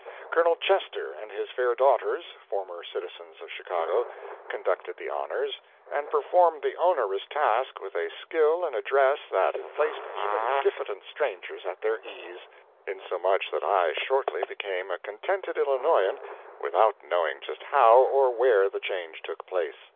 Col. Chester and his fair daughters—former citizens of Chicago—conducted the honors, and performed the onerous task with a skill and address that placed even diffident strangers at their ease; insomuch that I shortly became a contented Illinoisan without knowing just how or where the change took place.